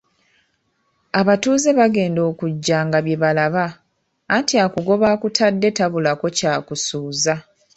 Abatuuze bagenda okujja nga bye balaba, anti akugoba takutadde tabulako ky'akusuuza.